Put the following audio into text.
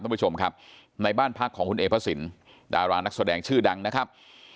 ท่านผู้ชมครับในบ้านพักของคุณเอพระสินดารานักแสดงชื่อดังนะครับ